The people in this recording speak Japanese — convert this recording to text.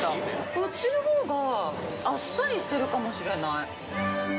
こっちのほうがあっさりしてるかもしれない。